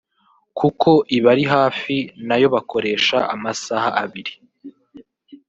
kuko ibari hafi nayo bakoresha amasaha abiri